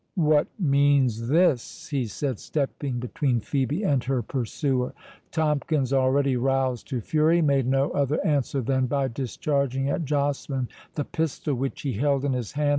what means this?" he said, stepping between Phœbe and her pursuer. Tomkins, already roused to fury, made no other answer than by discharging at Joceline the pistol which he held in his hand.